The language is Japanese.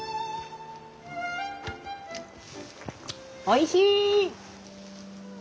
おいしい！